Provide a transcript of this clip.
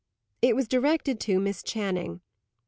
It was directed to Miss Channing.